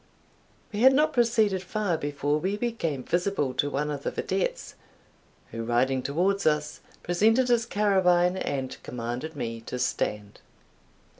We had not proceeded far before we became visible to one of the videttes, who, riding towards us, presented his carabine and commanded me to stand.